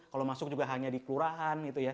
kalau masuk juga hanya di kelurahan